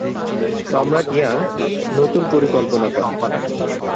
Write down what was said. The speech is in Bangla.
সম্রাট ইয়াং নতুন পরিকল্পনা করেন।